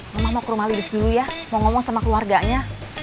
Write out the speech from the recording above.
mama mau ke rumah lili dulu ya mau ngomong sama keluarganya